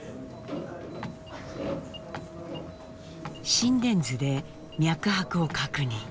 心電図で脈拍を確認。